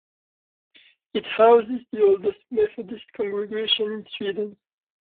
It houses the oldest Methodist congregation in Sweden.